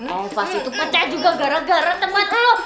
oh pas itu pecah juga gara gara temen lo